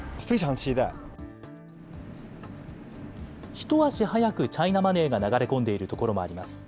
一足早くチャイナマネーが流れ込んでいる所もあります。